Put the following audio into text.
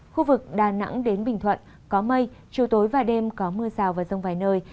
khu vực đà nẵng đến bình thuận có mây chiều tối và đêm có mưa rào và rông vài nơi